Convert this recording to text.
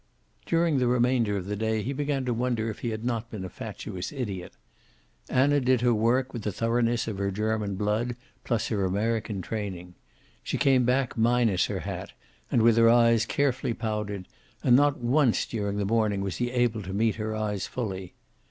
During the remainder of the day he began to wonder if he had not been a fatuous idiot. Anna did her work with the thoroughness of her German blood plus her American training. She came back minus her hat, and with her eyes carefully powdered, and not once during the morning was he able to meet her eyes fully.